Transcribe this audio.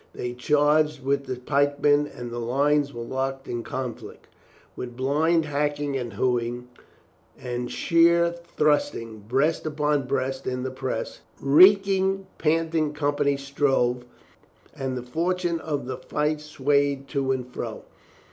They charged with the pikemen and the lines were locked in con flict. With blind hacking and hewing, with sheer thrusting, breast upon breast in the press, the reek ing, panting companies strove, and the fortune of the fight swayed to and fro.